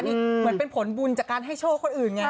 นี่เหมือนเป็นผลบุญจากการให้โชคคนอื่นไง